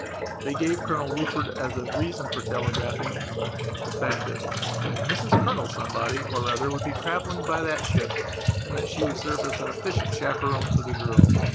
They gave Colonel Rufford, as a reason for telegraphing, the fact that Mrs Colonel Somebody or other would be travelling by that ship and that she would serve as an efficient chaperon for the girl.